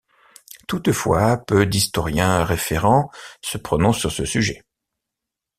Toutefois, peu d'historiens référents se prononcent sur ce sujet.